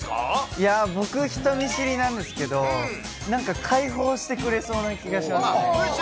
いやぁ、僕、人見知りなんですけど、なんか開放してくれそうな気がしますね。